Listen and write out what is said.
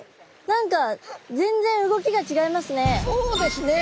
何か全然動きがちがいますね。